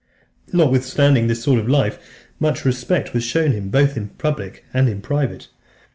VI. Notwithstanding this sort of life, much respect was shown him both in public and private.